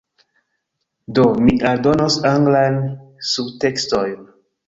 Do, mi aldonos anglajn subtekstojn